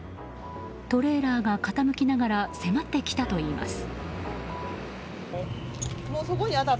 トレーラーが傾きながら迫ってきたといいます。